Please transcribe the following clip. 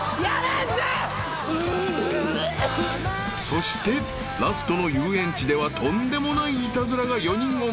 ［そしてラストの遊園地ではとんでもないイタズラが４人を待ち受ける］